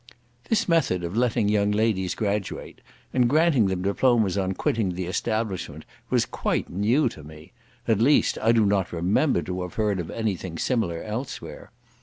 This method of letting young ladies graduate, and granting them diplomas on quitting the establishment, was quite new to me; at least, I do not remember to have heard of any thing similar elsewhere.